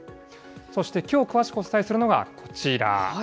そしてきょう詳しくお伝えするのがこちら。